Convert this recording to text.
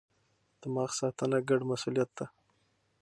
دماغ ساتنه ګډ مسئولیت دی.